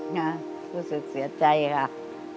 น้ารู้สึกเสียใจครับ